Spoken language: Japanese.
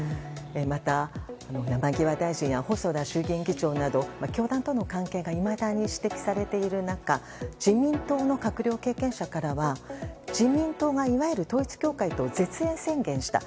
また、山際大臣や細田衆議院議長など教団との関係がいまだに指摘されている中自民党の閣僚経験者からは自民党がいわゆる統一教会と絶縁宣言した。